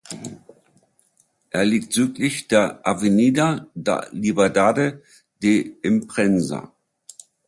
Er liegt südlich der "Avenida da Liberdade de Imprensa".